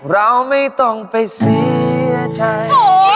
เราไม่ต้องไปเสียใจ